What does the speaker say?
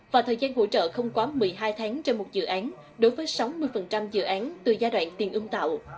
và thời gian hỗ trợ không quá một mươi hai tháng trên một dự án đối với sáu mươi dự án từ giai đoạn tiền ưm tạo